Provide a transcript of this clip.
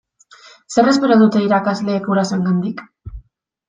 Zer espero dute irakasleek gurasoengandik?